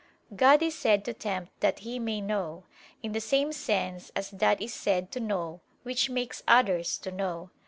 God is said to tempt that He may know, in the same sense as that is said to know which makes others to know.